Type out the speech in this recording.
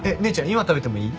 今食べてもいい？